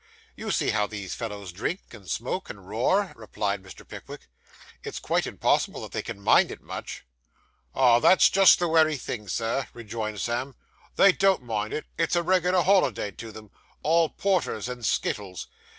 'You see how these fellows drink, and smoke, and roar,' replied Mr. Pickwick. 'It's quite impossible that they can mind it much.' 'Ah, that's just the wery thing, Sir,' rejoined Sam, 'they don't mind it; it's a reg'lar holiday to them all porter and skittles.